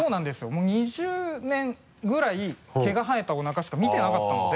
もう２０年ぐらい毛が生えたおなかしか見てなかったので。